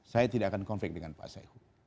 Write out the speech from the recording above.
saya tidak akan konflik dengan pak sae hoo